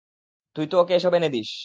তুই তো ওকে এসব এনে দিস।